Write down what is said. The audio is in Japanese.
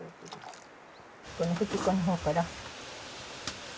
このふちっこの方から。